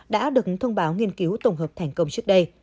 đã được thông báo nghiên cứu tổng hợp thành công trước đây